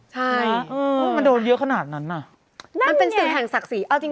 ใช่มันโดนเยอะขนาดนั้นน่ะนั่นเนี่ยมันเป็นศึกแห่งศักดิ์ศรี